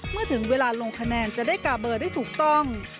เมื่อถึงเวลาลงคะแนนจะได้กาเบอร์ได้ถูกต้อง